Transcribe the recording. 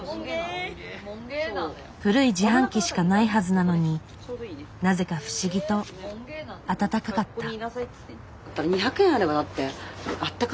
古い自販機しかないはずなのになぜか不思議と温かかった。